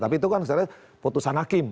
tapi itu kan potusan hakim